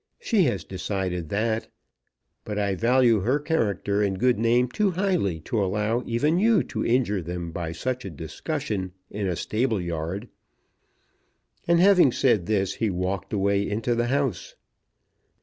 She has decided that. But I value her character and good name too highly to allow even you to injure them by such a discussion in a stableyard." And, having said this, he walked away into the house.